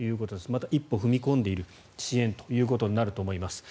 また一歩踏み込んでいるということだと思います。